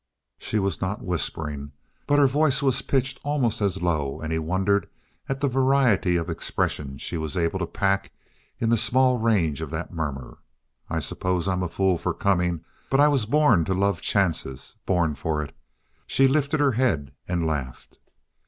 She was not whispering, but her voice was pitched almost as low, and he wondered at the variety of expression she was able to pack in the small range of that murmur. "I suppose I'm a fool for coming. But I was born to love chances. Born for it!" She lifted her head and laughed.